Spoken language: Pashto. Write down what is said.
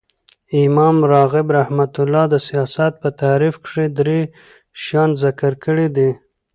امام راغب رحمة الله د سیاست په تعریف کښي درې شیان ذکر کړي دي.